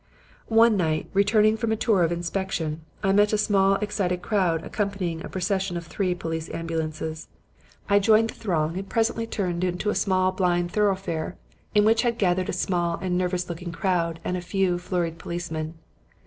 "One night, returning from a tour of inspection, I met a small excited crowd accompanying a procession of three police ambulances. I joined the throng and presently turned into a small blind thoroughfare in which had gathered a small and nervous looking crowd and a few flurried policemen.